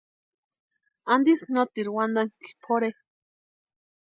¿Antisï noteru wantanhakʼi pʼorhe?